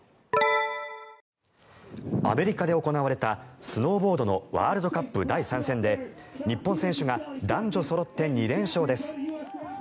アメリカで行われたスノーボードのワールドカップ第３戦で日本選手が男女そろって２連勝です。